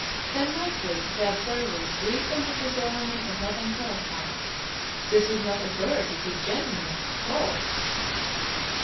"Then might we, the observers, read in the physiognomy of Madame Théophile, 'This is not a bird, it is a gentleman; it talks.'